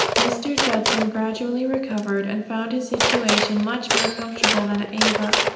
Mr. Judson gradually recovered, and found his situation much more comfortable than at Ava.